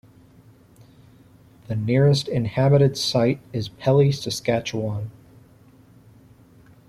The nearest inhabited site is Pelly, Saskatchewan.